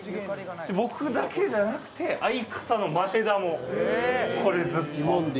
僕だけじゃなくて相方の前田もここでずっと。